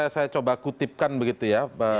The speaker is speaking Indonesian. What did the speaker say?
saya coba kutipkan begitu ya